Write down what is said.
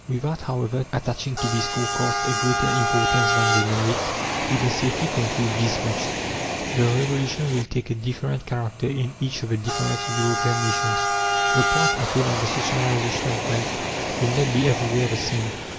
Without, however, attaching to these forecasts a greater importance than they merit, we may safely conclude this much: the Revolution will take a different character in each of the different European nations; the point attained in the socialization of wealth will not be everywhere the same.